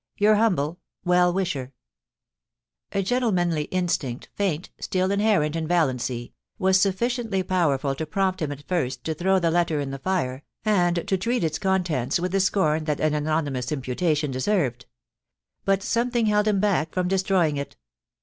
* Your humble * Well wisher.' MR. VALLANCY'S RETURN. 311 A gentlemanly instinct, faint, still inherent in Valiancy, was sufficiently powerful to prompt him at first to throw the letter in the fire, and to treat its contents with the scorn that an anonymous imputation deserved But something held him back firom destroying it.